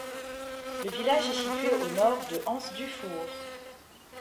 Le village est situé au nord de Anse-Dufour.